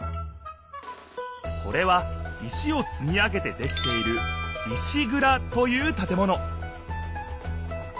これは石をつみ上げてできている石ぐらという建物